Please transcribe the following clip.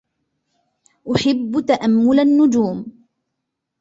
أحبّ تأمّل النّجوم.